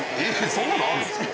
そんなのあるんすか？